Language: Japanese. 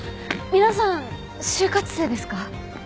皆さん就活生ですか？